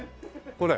これ。